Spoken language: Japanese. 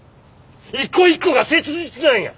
一個一個が切実なんや！